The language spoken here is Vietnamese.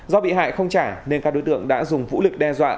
do bị hại không trả nên các đối tượng đã dùng vũ lực đe dọa